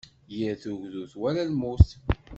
Yir tugdut wala lmut.